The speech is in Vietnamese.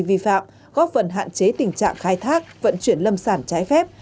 vi phạm góp phần hạn chế tình trạng khai thác vận chuyển lâm sản trái phép